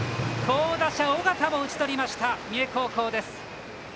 好打者、緒方も打ち取りました三重高校です。